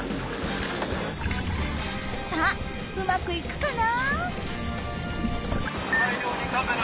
さあうまくいくかな？